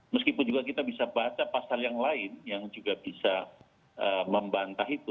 meskipun juga kita bisa baca pasal yang lain yang juga bisa membantah itu